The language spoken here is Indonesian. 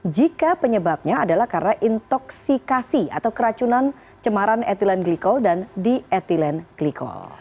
jika penyebabnya adalah karena intoxikasi atau keracunan cemaran etilen glikol dan di etilen glikol